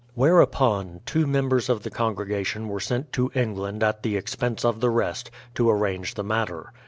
Whereupon, two members of the congregation were sent to England at the expense of the rest, to arrange the matter.